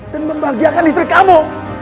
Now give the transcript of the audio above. dan membahagiakan istri kamu